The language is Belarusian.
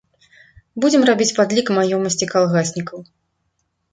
Будзем рабіць падлік маёмасці калгаснікаў.